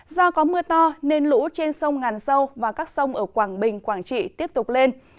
do có mưa to nên lũ trên sông ngàn sâu và các sông ở quảng bình quảng trị tiếp tục lên